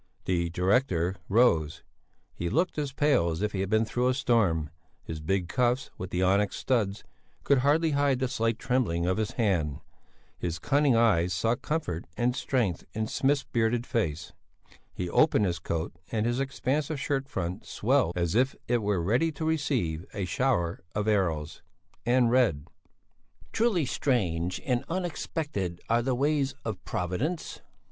The director rose. He looked as pale as if he had been through a storm; his big cuffs with the onyx studs could hardly hide the slight trembling of his hand; his cunning eyes sought comfort and strength in Smith's bearded face; he opened his coat and his expansive shirt front swelled as if it were ready to receive a shower of arrows and read: "Truly, strange and unexpected are the ways of Providence...."